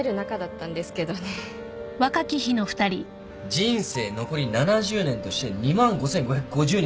人生残り７０年として２万 ５，５５０ 日